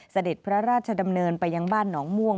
เสด็จพระราชดำเนินไปยังบ้านหนองม่วง